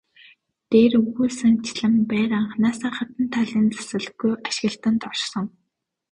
Дээр өгүүлсэнчлэн байр анхнаасаа гадна талын засалгүй ашиглалтад орсон.